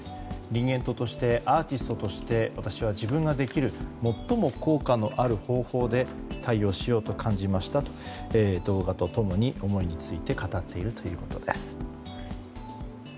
人間としてアーティストとして私は自分ができる最も効果のある方法で対応しようと感じましたと動画と共に思いについて語っているということです。